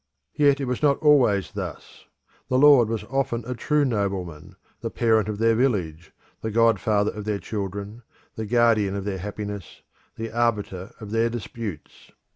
Yet it was not always thus: the lord was often a true nobleman, the parent of their village, the god father of their children, the guardian of their happiness, the arbiter of their disputes.